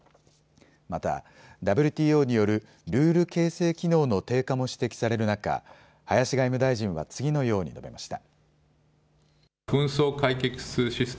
またＷＴＯによるルール形成機能の低下も指摘される中、林外務大臣は次のように述べました。